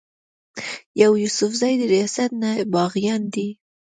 چې يوسفزي د رياست نه باغيان دي